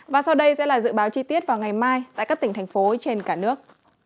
và sau đây sẽ là dự báo chi tiết vào ngày mai tại các tỉnh thành phố trên cả nước